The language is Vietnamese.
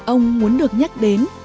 ông muốn được nhắc đến